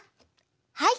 はい。